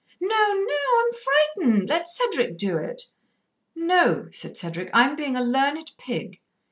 "No, no I'm frightened. Let Cedric do it." "No," said Cedric. "I'm being a learned pig."